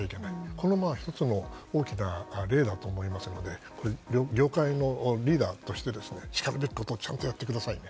これも１つの大きな例だと思いますので業界のリーダーとしてしかるべきことをちゃんとやってくださいね。